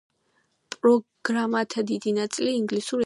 პროგრამათა დიდი ნაწილი ინგლისურ ენაზეა.